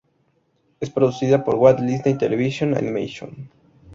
Es producida por Walt Disney Television Animation.